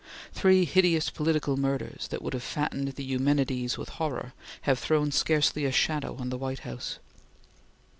Three hideous political murders, that would have fattened the Eumenides with horror, have thrown scarcely a shadow on the White House.